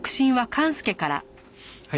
はい。